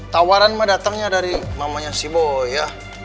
tawaran mah datangnya dari mamanya si bo ya